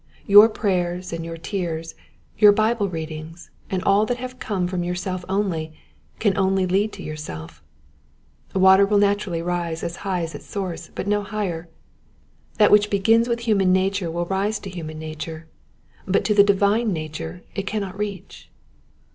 Your prayers and your tears, your Bible readings, and all that have come from yourself only, can only lead to yourself. Water will naturally rise as high as its source, but no higher : that which begins with hu man nature will rise to human nature ; but to the divine nature it cannot reach.